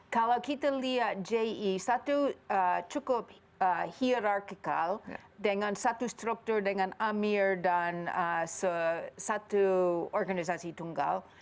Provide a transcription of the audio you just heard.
kalau kita lihat ji satu cukup hierarkical dengan satu struktur dengan amir dan satu organisasi tunggal